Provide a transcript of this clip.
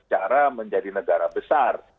sehingga kita bisa cara menjadi negara besar